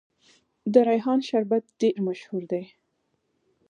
د ریحان شربت ډیر مشهور دی.